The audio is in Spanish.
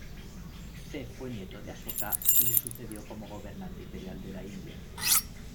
C.. Fue nieto de Aśoka y le sucedió como gobernante imperial de la India.